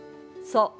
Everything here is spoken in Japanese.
そう。